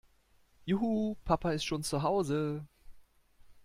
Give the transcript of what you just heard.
Juhu, Papa ist schon zu Hause!